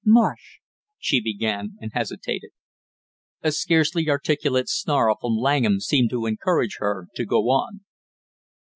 "Marsh " she began, and hesitated. A scarcely articulate snarl from Langham seemed to encourage her to go on.